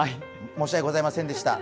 申し訳ございませんでした。